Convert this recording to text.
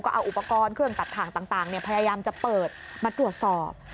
เอาอุปกรณ์เครื่องตัดถ่างต่างพยายามจะเปิดมาตรวจสอบ